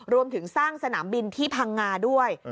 รวมถึงสร้างสนามบินที่พังงาด้วย